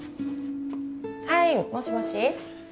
はいもしもし？